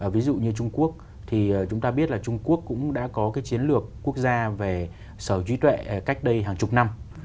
ví dụ như trung quốc thì chúng ta biết là trung quốc cũng đã có cái chiến lược quốc gia về sở hữu trí tuệ cách đây hàng chục năm